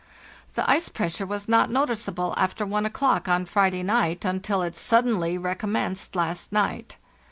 "The ice pressure was not noticeable after 1 o'clock on Friday night until it suddenly recommenced last night.